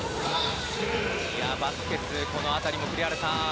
バスケス、この辺りも栗原さん